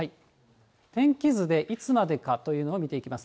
天気図でいつまでかというのを見ていきます。